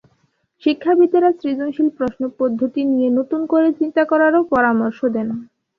শিক্ষাবিদেরা সৃজনশীল প্রশ্ন পদ্ধতি নিয়ে নতুন করে চিন্তা করারও পরামর্শ দেন।